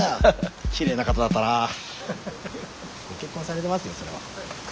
ご結婚されてますよそれは。